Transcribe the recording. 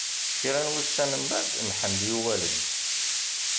Kra n wussan mbeɛd, Mḥend yuɣal-d.